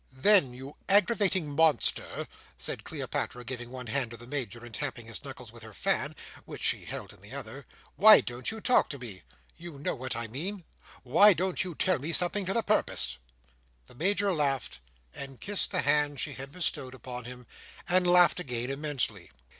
"Then, you aggravating monster," said Cleopatra, giving one hand to the Major, and tapping his knuckles with her fan, which she held in the other: "why don't you talk to me? you know what I mean. Why don't you tell me something to the purpose?" The Major laughed, and kissed the hand she had bestowed upon him, and laughed again immensely.